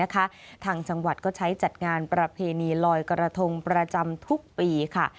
ทางจังหวัดก็ใช้จัดงานประเพณีลอยกระทงประจำทุกปีค่ะ